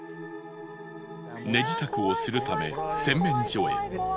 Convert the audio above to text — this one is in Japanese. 寝支度をするため洗面所へ。